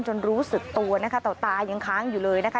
รู้สึกตัวนะคะแต่ตายังค้างอยู่เลยนะคะ